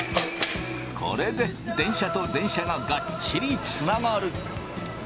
これで電車と電車がガッチリつながる。